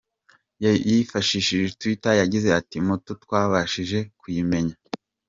Yifashishije twitter yagize ati “Moto twabashije kuyimenya.